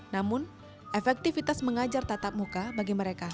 namun efektivitas mengajar tatap muka bagi mereka